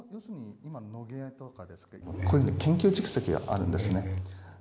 こういう研究蓄積があるんですね。